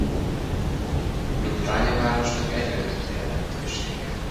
Mint bányavárosnak egyre nőtt a jelentősége.